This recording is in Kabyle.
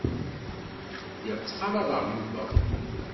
Lliɣ ttxalaḍeɣ Yuba.